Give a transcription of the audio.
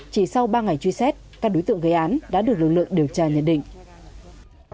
chỉ sau ba ngày truy xét các đối tượng gây án đã được lực lượng điều tra nhận định